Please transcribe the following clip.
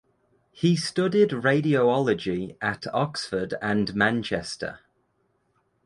He studied radiology at Oxford and Manchester.